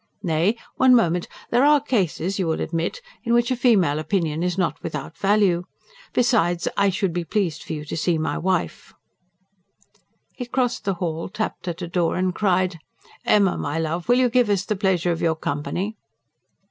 Nay, one moment! There are cases, you will admit, in which a female opinion is not without value. Besides, I should be pleased for you to see my wife." He crossed the hall, tapped at a door and cried: "Emma, my love, will you give us the pleasure of your company?"